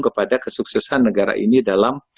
kepada kesuksesan negara ini dalam